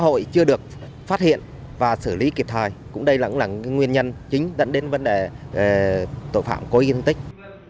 xã hội chưa được phát hiện và xử lý kịp thời cũng đây là nguyên nhân chính dẫn đến vấn đề tội phạm cố ý gây thương tích